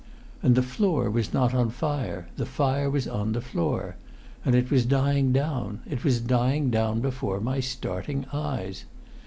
And the floor was not on fire; the fire was on the floor; and it was dying down! It was dying down before my starting eyes.